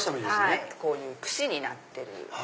こういうくしになってる。